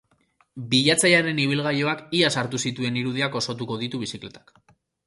Bilatzailearen ibilgailuak iaz hartu zituen irudiak osotuko ditu bizikletak.